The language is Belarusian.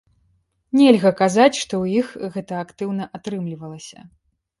Нельга казаць, што ў іх гэта актыўна атрымлівалася.